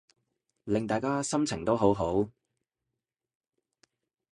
令大家心情都好好